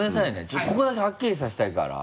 ちょっとここだけはっきりさせたいから。